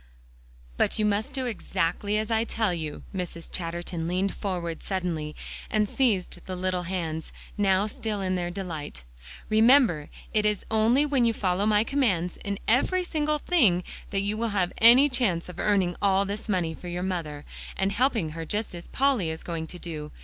"But you must do exactly as I tell you." Mrs. Chatterton leaned forward suddenly, and seized the little hands, now so still in their delight. "Remember, it is only when you follow my commands in every single thing that you will have any chance of earning all this money for your mother, and helping her just at Polly is going to do.